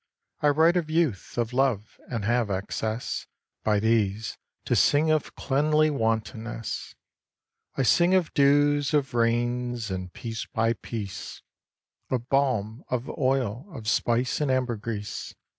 I write of Youth, of Love; and have access By these, to sing of cleanly wantonness; I sing of dews, of rains, and, piece by piece, Of balm, of oil, of spice, and ambergris.